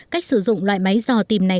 cách sử dụng loại máy dò tìm này